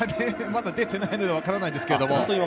まだ出ていないので分からないですけど。